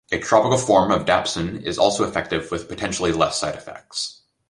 A topical form of dapsone is also effective with potentially less side effects.